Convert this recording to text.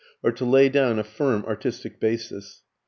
"] or to lay down a firm artistic basis.